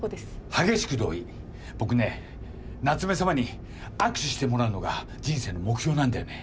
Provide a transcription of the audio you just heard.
激しく同意僕ね夏目さまに握手してもらうのが人生の目標なんだよね。